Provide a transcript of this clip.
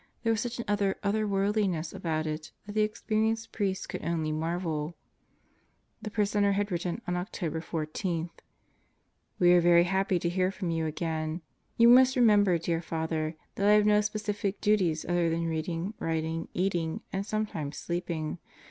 There was such an utter "otherworldliness" about it that the experienced priest could only marvel. The prisoner had written on October 14. Was very happy to hear from you again. You must remember, dear Father, that I have no specific duties other than reading, writ ing, eating, and sometimes sleeping.